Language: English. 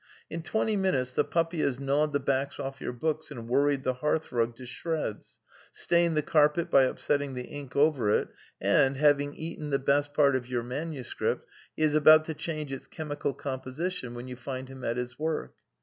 In tv^enty minutes the puppy has gnawed the backs off your books and worried the hearthrug to shreds, stained the carpet by upsetting the ink over it, and, having eaten the best part of your manuscript, he is about to change its chemical composition when you find him at his work.